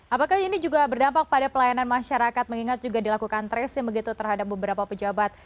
apakah ini juga berdampak pada pelayanan masyarakat mengingat juga dilakukan tracing begitu terhadap beberapa pejabat